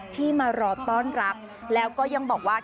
ที่มารอต้อนรับแล้วก็ยังบอกว่า